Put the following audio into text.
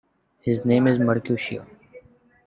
His name is Mercutio.